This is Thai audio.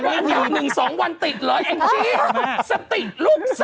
๑๒วันติดเลยแอ็งชีสติลูกสติ